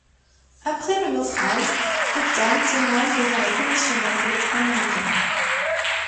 Après le naufrage, Cottam témoigne devant la commission d'enquête américaine.